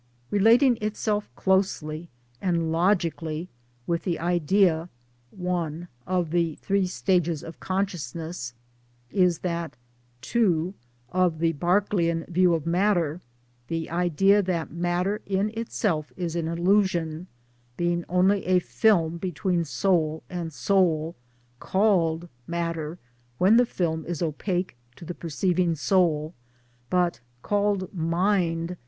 Relating itself closely and logically with the idea '(i) of the three stages of Consciousness is that (2) of the Berkeleyan view of matter the idea that matter in itself is an illusion, being only a film between soul and soul : called matter when the film is opaque to the perceiving soul, but called mind!